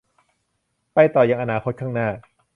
ไปต่อยังอนาคตข้างหน้า